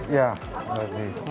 ya seperti ini